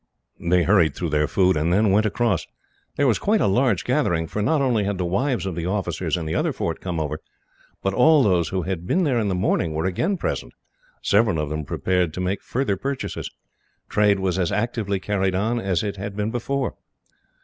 They hurried through their food, and then went across. There was quite a large gathering, for not only had the wives of the officers in the other fort come over, but all those who had been there in the morning were again present, several of them prepared to make further purchases. Trade was as actively carried on as it had been before.